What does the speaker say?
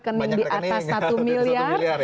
rekening di atas satu miliar